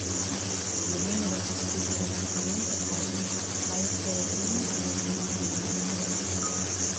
Ne vennero costruite relativamente poche, ma ebbero comunque molta importanza.